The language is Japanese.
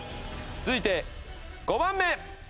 続いて５番目。